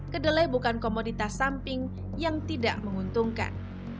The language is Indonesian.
kedelai bukan komoditas samping yang tidak menguntungkan